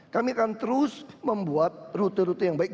kami akan terus membuat rute rute yang baik